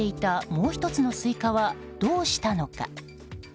もう１つのスイカはどうしたのか。